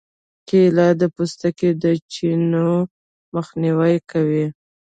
کېله د پوستکي د چینو مخنیوی کوي.